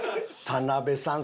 田辺さん